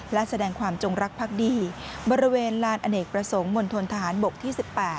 และแสดงความจงรักพักดีบริเวณลานอเนกประสงค์มณฑนทหารบกที่๑๘